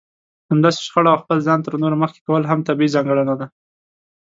همداسې شخړه او خپل ځان تر نورو مخکې کول هم طبيعي ځانګړنه ده.